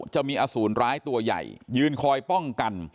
จะมีอสูรร้ายตัวใหญ่ยืนคอยป้องกัน